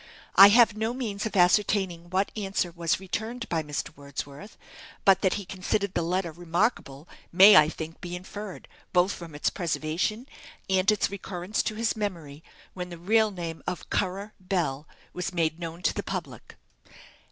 I have no means of ascertaining what answer was returned by Mr. Wordsworth; but that he considered the letter remarkable may, I think, be inferred both from its preservation, and its recurrence to his memory when the real name of Currer Bell was made known to the public.